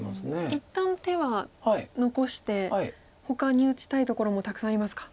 一旦手は残してほかに打ちたいところもたくさんありますか。